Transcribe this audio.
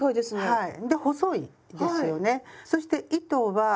はい！